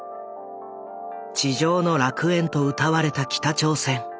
「地上の楽園」とうたわれた北朝鮮。